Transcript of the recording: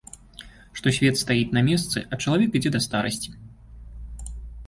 Што свет стаіць на месцы, а чалавек ідзе да старасці.